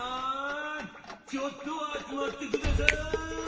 ちょっと集まってください！」。